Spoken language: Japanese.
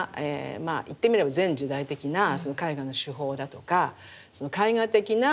まあ言ってみれば前時代的な絵画の手法だとか絵画的な構成